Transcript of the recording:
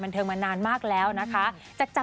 ขอบคุณครับพี่แจ้ครับขอบคุณครับ